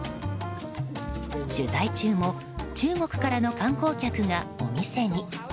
取材中も中国からの観光客がお店に。